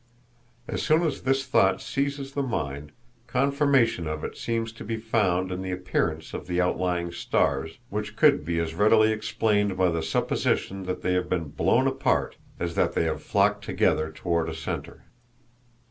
_ As soon as this thought seizes the mind, confirmation of it seems to be found in the appearance of the outlying stars, which could be as readily explained by the supposition that they have been blown apart as that they have flocked together toward a center.